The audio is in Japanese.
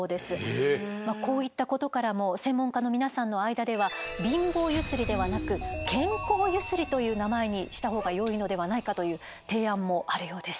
こういったことからも専門家の皆さんの間では「貧乏ゆすり」ではなく「健康ゆすり」という名前にしたほうがよいのではないかという提案もあるようです。